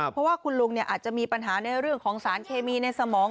เพราะว่าคุณลุงอาจจะมีปัญหาในเรื่องของสารเคมีในสมอง